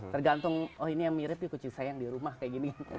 tergantung oh ini yang mirip nih kucing saya yang di rumah kayak gini